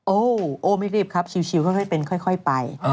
โอ้โอ้ไม่รีบครับชิลค่อยเป็นค่อยไป